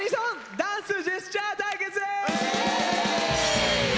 ダンスジェスチャー対決！」。